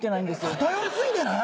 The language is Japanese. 偏り過ぎてない？